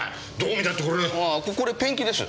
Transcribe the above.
あぁこれペンキです。